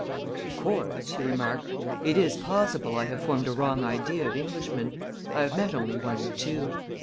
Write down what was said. "Of course," she remarked, "it is possible I have formed a wrong idea of Englishmen. I have met only one or two."